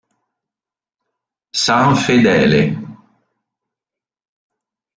San Fedele